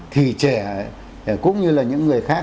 thì trẻ cũng như là những người khác